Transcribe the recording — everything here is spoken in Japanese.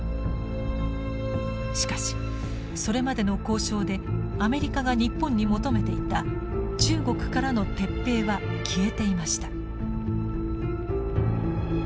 しかしそれまでの交渉でアメリカが日本に求めていた中国からの撤兵は消えていました。